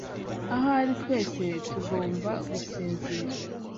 Ahari twese tugomba gusinzira.